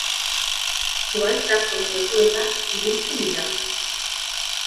Zuhaitz asko den lekuetan ibiltzen dira.